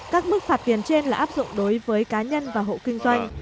các mức phạt tiền trên là áp dụng đối với cá nhân và hộ kinh doanh